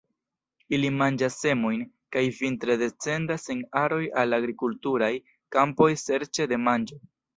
Ili manĝas semojn, kaj vintre descendas en aroj al agrikulturaj kampoj serĉe de manĝo.